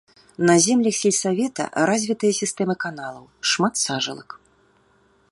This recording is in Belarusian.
На землях сельсавета развітая сістэма каналаў, шмат сажалак.